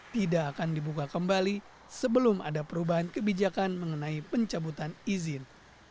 tidak akan dibuka kembali sebelum ada perubahan kebijakan mengenai pencabutan izin